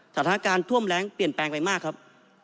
สถานการณ์ท่วมแรงเปลี่ยนแปลงไปมากครับ